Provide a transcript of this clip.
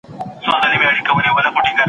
زما د ستړي ژوند مزل ژاړي، منزل ژاړي